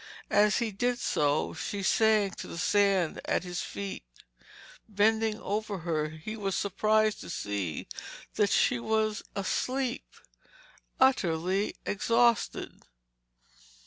As he did so, she sank to the sand at his feet. Bending over her, he was surprised to see that she was asleep—utterly exhausted.